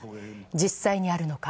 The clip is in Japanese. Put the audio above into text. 実際にあるのか。